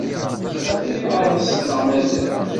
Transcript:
Teɣriḍ-as neɣ mazal?